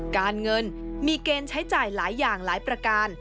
การเงินมีเกณฑ์ใช้จ่ายหลายอย่างหลายประการ